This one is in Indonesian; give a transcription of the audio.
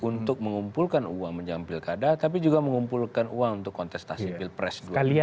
untuk mengumpulkan uang menjam pilkada tapi juga mengumpulkan uang untuk kontestasi pilpres dua ribu sembilan belas